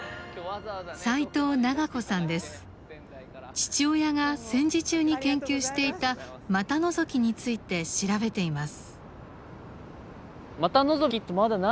父親が戦時中に研究していた「股のぞき」について調べています。